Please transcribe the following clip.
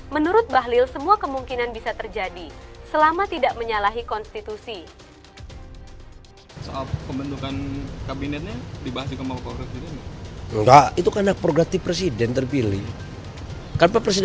menurut bahlil semua kemungkinan bisa terjadi selama tidak menyalahi konstitusi